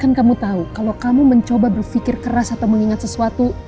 kan kamu tahu kalau kamu mencoba berpikir keras atau mengingat sesuatu